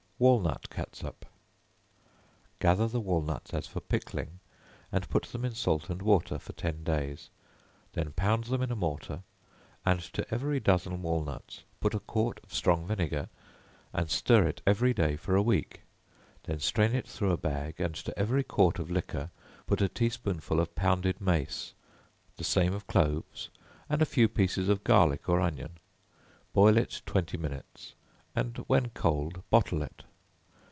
Walnut Catsup. Gather the walnuts, as for pickling and put them in salt and water for ten days, then pound them in a mortar, and to every dozen walnuts put a quart of strong vinegar, and stir it every day for a week, then strain it through a bag, and to every quart of liquor put a tea spoonful of pounded mace, the same of cloves, and a few pieces of garlic or onion, boil it twenty minutes, and when cold, bottle it.